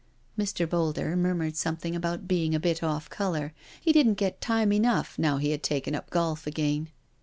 Mr. Boulder murmured something about being a bit off colour, he didn't get time enough n<5w he had taken up golf again.